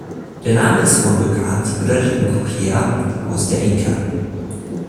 Der Name des hohen Vulkans bedeutet in Quechua "Haus der Inka".